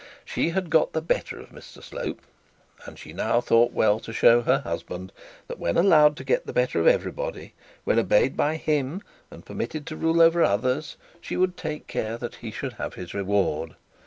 She had got the better of Mr Slope, and she now thought well to show her husband that when allowed to get the better of everybody, when obeyed by him and permitted to rule over others, she would take care that he should have his reward.